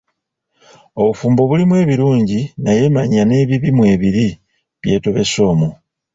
Obufumbo bulimu ebirungi naye manya n'ebibi mwebiri, byetobese omwo.